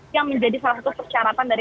yang menjadi salah satu persyaratan dari